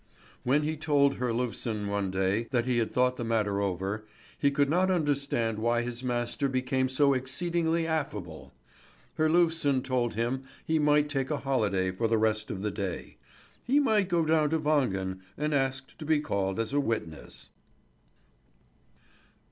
When he told Herlufsen one day that he had thought the matter over, he could not understand why his master became so exceedingly affable. Herlufsen told him he might take a holiday for the rest of the day. He might go down to Wangen and ask to be called as a witness.